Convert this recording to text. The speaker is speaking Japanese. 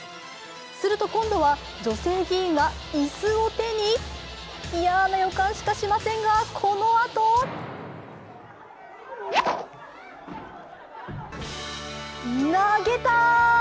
すると今度は女性議員が椅子を手に嫌な予感しかしませんが、このあと投げたー！